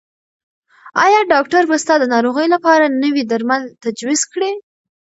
ایا ډاکټر به ستا د ناروغۍ لپاره نوي درمل تجویز کړي؟